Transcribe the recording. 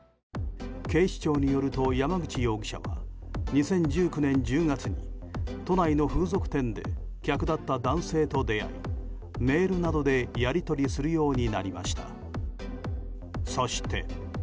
警視庁によると山口容疑者は２０１９年１０月に都内の風俗店で客だった男性と出会いメールなどでやり取りするようになりました。